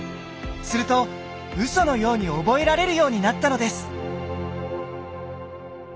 するとウソのように覚えられるようになったのです。